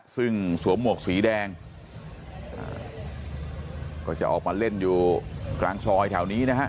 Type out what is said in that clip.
ซึ่งสวมหมวกสีแดงก็จะออกมาเล่นอยู่กลางซอยแถวนี้นะฮะ